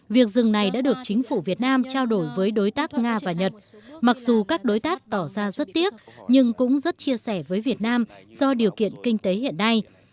việc dừng này đã được chính phủ việt nam trao đổi với đối tác nga và nhật mặc dù các đối tác tỏ ra rất tiếc nhưng cũng rất chia sẻ với việt nam do điều kiện kinh tế hiện nay